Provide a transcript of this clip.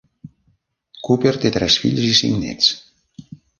Cooper té tres fills i cinc nets.